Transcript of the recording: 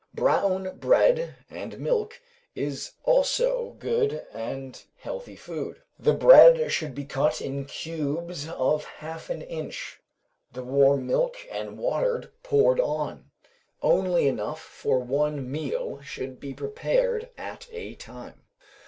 Brown bread and milk is also good and healthy food; the bread should be cut in cubes of half an inch, and the warm milk and water poured on; only enough for one meal should be prepared at a time.